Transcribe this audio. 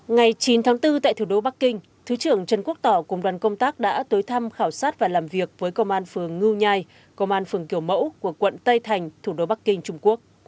ngày chín tháng bốn tại thủ đô bắc kinh thứ trưởng trần quốc tỏ cùng đoàn công tác đã tới thăm khảo sát và làm việc với công an phường ngư nhai công an phường kiểu mẫu của quận tây thành thủ đô bắc kinh trung quốc